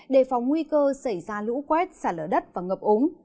đề phòng nguy cơ xảy ra lũ quét xả lở đất và ngập úng